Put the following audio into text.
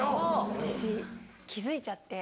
私気付いちゃって。